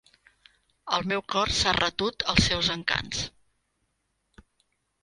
El meu cor s'ha retut als seus encants.